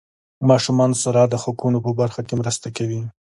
ماشومانو سره د حقوقو په برخه کې مرسته کوي.